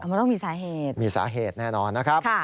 มันต้องมีสาเหตุมีสาเหตุแน่นอนนะครับ